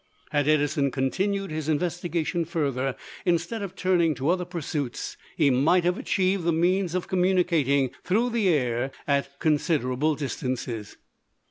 Had Edison continued his investigation further, instead of turning to other pursuits, he might have achieved the means of communicating through the air at considerable distances.